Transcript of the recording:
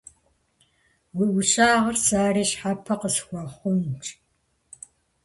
Уи Ӏущыгъэр сэри щхьэпэ къысхуэхъунщ.